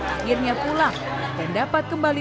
akhirnya pulang dan dapat kembali